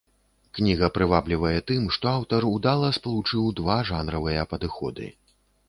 Кніга прываблівае тым, што аўтар удала спалучыў два жанравыя падыходы.